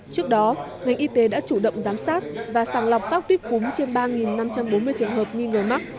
trước đó ngành y tế đã chủ động giám sát và sàng lọc các tuyếp cúm trên ba năm trăm bốn mươi trường hợp nghi ngờ mắc